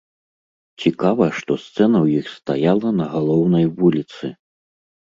Цікава што сцэна ў іх стаяла на галоўнай вуліцы.